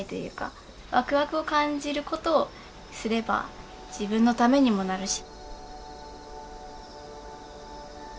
わくわくを感じることをすれば自分のためにもなるし。